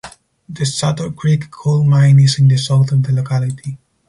The Suttor Creek coal mine is in the south of the locality.